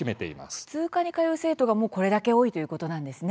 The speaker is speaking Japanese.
普通科に通う生徒がこれだけ多いということですね。